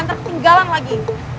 ntar ketinggalan lagi